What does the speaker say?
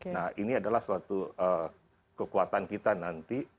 nah ini adalah suatu kekuatan kita nanti